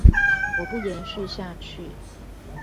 我不延續下去